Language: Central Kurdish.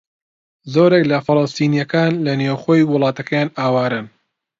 زۆرێک لە فەلەستینییەکان لە نێوخۆی وڵاتەکەیان ئاوارەن.